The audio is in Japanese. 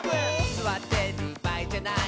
「すわってるばあいじゃない」